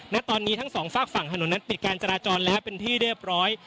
ณตอนนี้ทั้งสองฝากฝั่งถนนนั้นปิดการจราจรแล้วเป็นที่เรียบร้อย